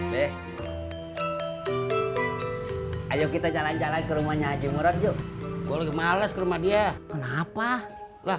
deh ayo kita jalan jalan ke rumahnya haji murarjo gue males ke rumah dia kenapa lah